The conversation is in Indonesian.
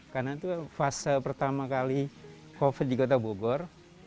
karena itu fase pertama kali covid di kota bogor